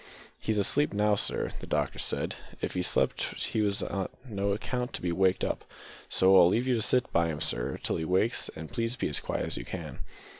"He's asleep now, sir; the doctor said if he slept he was on no account to be waked up, so I'll leave you to sit by him, sir, till he wakes, and, please, be as quiet as you can."